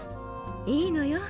いいのよ